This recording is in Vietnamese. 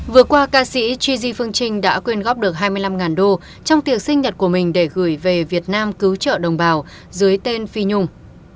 vừa qua ca sĩ chuji phương trinh đã quyên góp được hai mươi năm đô trong tiệc sinh nhật của mình để gửi về việt nam cứu trợ đồng bào dưới tên phi nhung